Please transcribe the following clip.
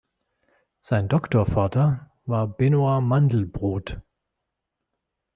Sein Doktorvater war Benoît Mandelbrot.